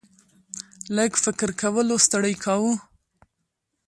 لږ فکر کولو ستړی کاوه.